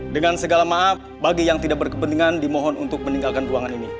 dengan segala maaf bagi yang tidak berkepentingan dimohon untuk meninggalkan ruangan ini